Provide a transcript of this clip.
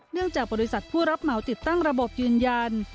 จากบริษัทผู้รับเหมาติดตั้งระบบยืนยัน